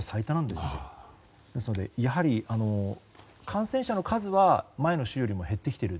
ですので、やはり感染者の数は前の週よりも減ってきている。